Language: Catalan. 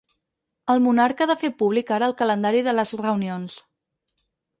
El monarca ha de fer públic ara el calendari de les reunions.